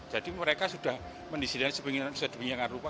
jadi mereka sudah mendisidasi sepengengan rupa